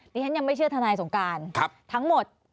ดิฉันยังไม่เชื่อทนายสงการทั้งหมด